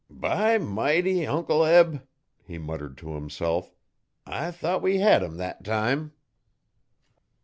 'By mighty! Uncle Eb,' he muttered to himself, 'I thought we hed him thet time.'